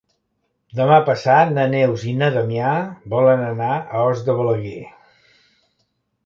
Demà passat na Neus i na Damià volen anar a Os de Balaguer.